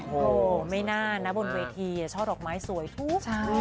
โอ้โหไม่น่านะบนเวทีช่อดอกไม้สวยทุก